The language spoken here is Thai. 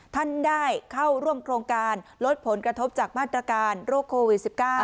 ท่านได้เข้าร่วมโครงการลดผลกระทบจากมาตรการโรคโควิด๑๙